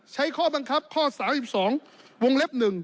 ข้อบังคับข้อ๓๒วงเล็บ๑